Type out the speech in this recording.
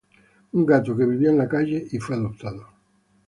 Un gato que vivía en la calle y fue adoptado.